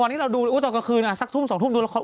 ตอนนี้เราดูสักกระคืนสักทุ่มสองทุ่มดูละคร